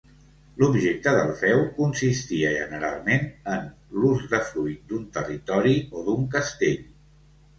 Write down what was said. L'objecte del feu consistia generalment en l'usdefruit d'un territori o d'un castell.